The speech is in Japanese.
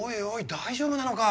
大丈夫なのか？